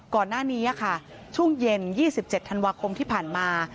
ก่อนหน้านี้ค่ะช่วงเย็น๒๗ธันวาคมที่ผ่านมา